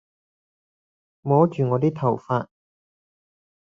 摸住我啲頭髮